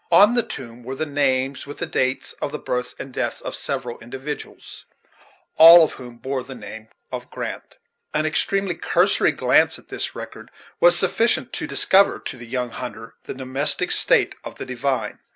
On the tomb were the names, with the dates of the births and deaths, of several individuals, all of whom bore the name of Grant. An extremely cursory glance at this record was sufficient to discover to the young hunter the domestic state of the divine.